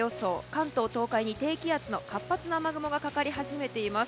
関東、東海に低気圧の活発な雨雲がかかり始めています。